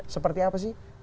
seperti apa sih